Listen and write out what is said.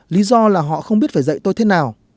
lý do là họ không biết phải dạy tôi thế nào